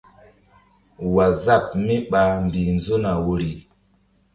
Waazap mí ɓa mbih nzo na woyri.